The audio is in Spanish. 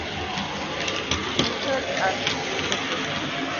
Michael and St.